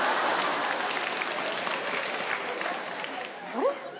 あれ？